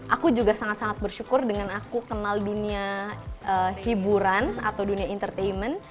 aku juga sangat sangat bersyukur dengan aku kenal dunia hiburan atau dunia entertainment